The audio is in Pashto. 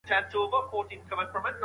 دا ليکل له هغې ګټور دي.